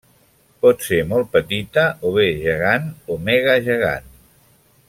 Pot ser molt petita o bé gegant o mega gegant.